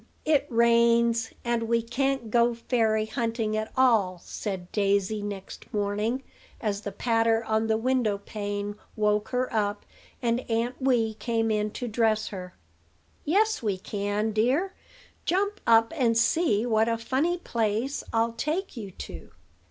it rains; and we can't go fairy hunting at all," said Daisy next morning, as the patter on the window pane woke her up, and Aunt Wee came in to dress her. "Yes, we can, dear; jump up, and see what a funny place I'll take you to."